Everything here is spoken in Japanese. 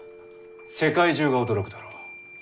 世界中が驚くだろう。